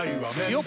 よっ！